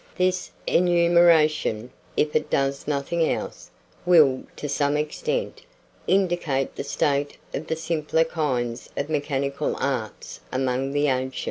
This enumeration, if it does nothing else, will, to some extent, indicate the state of the simpler kinds of mechanical arts among the ancients.